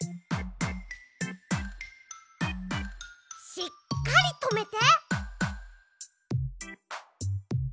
しっかりとめて。